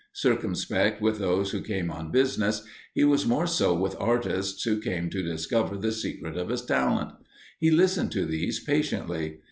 Circumspect with those who came on business, he was more so with artists who came to discover the secret of his talent; he listened to these patiently.